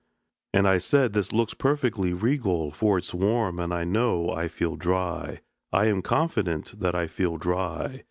And I said: "This looks perfectly regal, For it's warm, and I know I feel dry, I am confident that I feel dry.